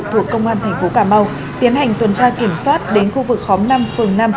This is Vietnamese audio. thuộc công an tp cà mau tiến hành tuần tra kiểm soát đến khu vực khóm năm phường năm